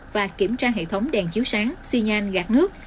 và kiểm tra hệ thống đèn chiếu sáng xi nhang gạt nước